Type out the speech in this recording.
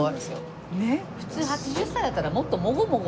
普通８０歳だったらもっとモゴモゴ。